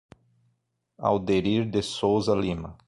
Alderir de Souza Lima